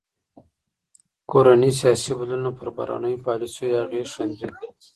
کورني سياسي بدلونونه پر بهرنيو پاليسيو اغېز ښندي.